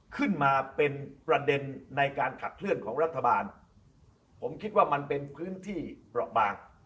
ขึ้นมาเป็นประเด็นในการขับเคลื่อนของรัฐบาลผมคิดว่ามันเป็นพื้นที่เปราะบาง